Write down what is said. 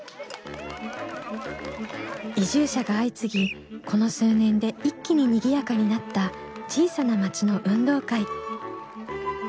移住者が相次ぎこの数年で一気ににぎやかになった小さな町の運動会。